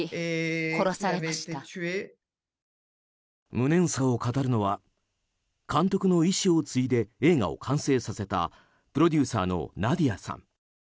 無念さを語るのは監督の遺志を継いで映画を完成させたプロデューサーのナディアさん。